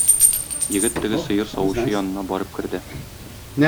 Егет теге сыер савучы янына барып керде